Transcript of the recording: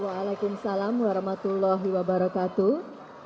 wassalamu'alaikum warahmatullahi wabarakatuh